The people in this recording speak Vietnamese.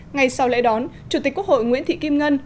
ngay sau lễ đón chủ tịch quốc hội nguyễn thị kim ngân